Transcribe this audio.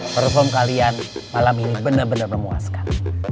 perfume kalian malam ini bener bener memuaskan